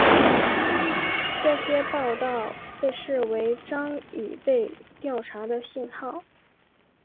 这些报道被视为张已被调查的信号。